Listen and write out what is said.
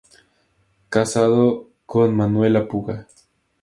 Casado con Manuela Puga.